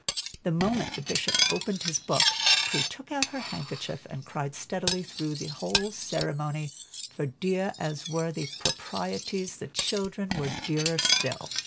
The moment the Bishop opened his book, Prue took out her handkerchief and cried steadily through the entire ceremony, for dear as were the proprieties, the "children" were dearer still.